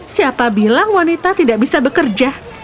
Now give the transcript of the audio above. siapa bilang wanita tidak bisa bekerja